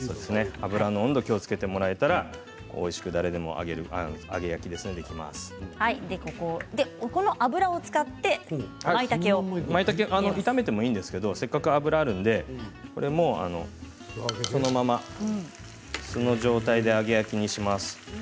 油の温度を気をつけてもらえたら誰でもおいしくここの油を使って炒めてもいいんですけどせっかく油があるのでそのまま素の状態で揚げ焼きにします。